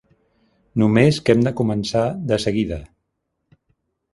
Només que hem de començar de seguida.